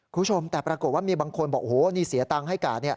คุณผู้ชมแต่ปรากฏว่ามีบางคนบอกโอ้โหนี่เสียตังค์ให้กาด